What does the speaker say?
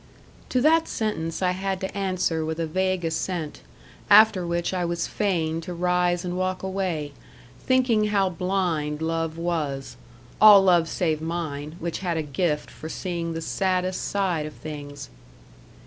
To that sentence I had to answer with a vague assent; after which I was fain to rise and walk away, thinking how blind love was all love save mine, which had a gift for seeing the saddest side of things.